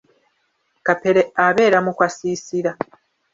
Kapere abeera mu kasiisira.